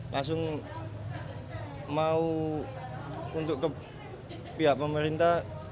langsung mau untuk ke pihak pemerintah